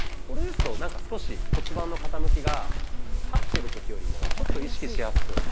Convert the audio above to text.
これですとなんか少し骨盤の傾きが立ってる時よりもちょっと意識しやすく。